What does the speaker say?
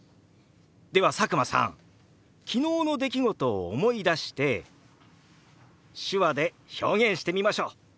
では佐久間さん昨日の出来事を思い出して手話で表現してみましょう。